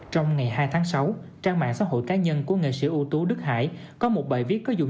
trong ngày hai tháng sáu trang mạng xã hội cá nhân của nghệ sĩ ưu tú đức hải có một bài viết có dùng